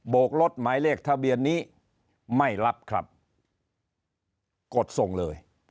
กรถหมายเลขทะเบียนนี้ไม่รับครับกดส่งเลย